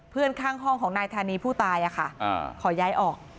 เพื่อนข้างห้องของนายธานีผู้ตายอ่ะค่ะขอย้ายออก